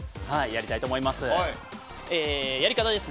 やりたいと思います。